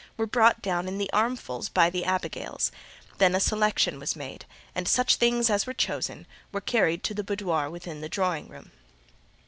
were brought down in armfuls by the abigails; then a selection was made, and such things as were chosen were carried to the boudoir within the drawing room.